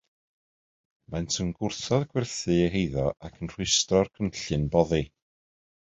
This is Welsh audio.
Maent yn gwrthod gwerthu eu heiddo ac yn rhwystro'r cynllun boddi.